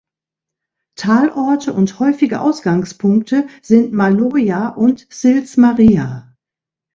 Talorte und häufige Ausgangspunkte sind Maloja und Sils Maria.